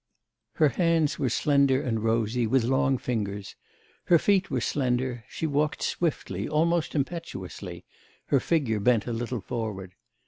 Her hands were slender and rosy, with long fingers; her feet were slender; she walked swiftly, almost impetuously, her figure bent a little forward.